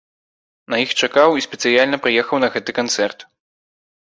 На іх чакаў, і спецыяльна прыехаў на гэты канцэрт.